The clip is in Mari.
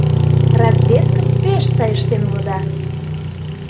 Разведкым пеш сай ыштен улыда.